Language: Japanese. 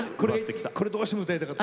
これどうしても歌いたかった。